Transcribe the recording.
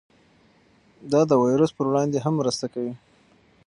دا د ویروس پر وړاندې هم مرسته کوي.